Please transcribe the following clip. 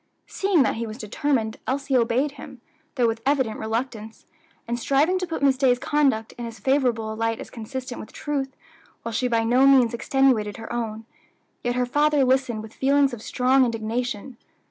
Seeing that he was determined, Elsie obeyed him, though with evident reluctance, and striving to put Miss Day's conduct in as favorable a light as consistent with truth, while she by no means extenuated her own; yet her father listened with feelings of strong indignation.